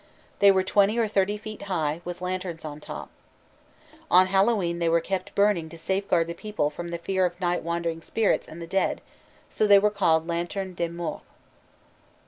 They were twenty or thirty feet high, with lanterns on top. On Hallowe'en they were kept burning to safeguard the people from the fear of night wandering spirits and the dead, so they were called "lanternes des morts."